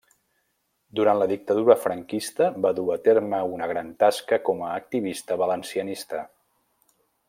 Durant la dictadura franquista va dur a terme una gran tasca com a activista valencianista.